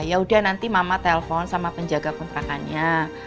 ya udah nanti mama telepon sama penjaga kontrakannya